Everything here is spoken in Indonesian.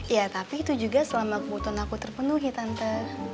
ya tapi itu juga selama kebutuhan aku terpenuhi tante